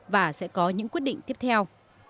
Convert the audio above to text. và sẽ có những quyết định tiếp theo